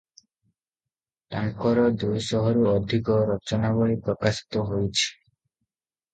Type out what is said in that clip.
ତାଙ୍କର ଦୁଇଶହରୁ ଅଧିକ ରଚନାବଳୀ ପ୍ରକାଶିତ ହୋଇଛି ।